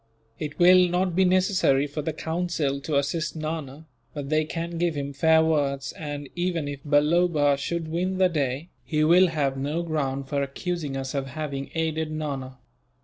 It will not be necessary for the Council to assist Nana, but they can give him fair words and, even if Balloba should win the day, he will have no ground for accusing us of having aided Nana.